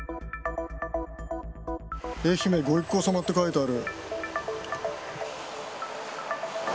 愛媛御一行様って書いてある。